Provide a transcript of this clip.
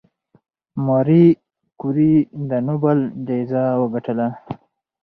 ماري کوري د نوبل جایزه وګټله.